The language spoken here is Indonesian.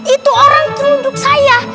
itu orang tumbuk saya